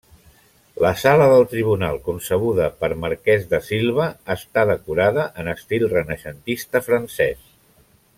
La Sala del Tribunal, concebuda per Marques da Silva, està decorada en estil renaixentista francès.